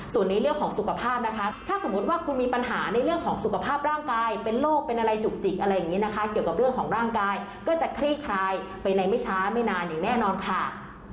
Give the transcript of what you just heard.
ส่วนในเรื่องของสุขภาพนะคะถ้าสมมุติว่าคุณมีปัญหาในเรื่องของสุขภาพร่างกายเป็นโรคเป็นอะไรจุกจิกอะไรอย่างนี้นะคะเกี่ยวกับเรื่องของร่างกายก็จะคลี่คลายไปในไม่ช้าไม่นานอย่างแน่นอนค่ะ